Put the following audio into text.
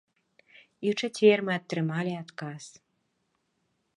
І ў чацвер мы атрымалі адказ.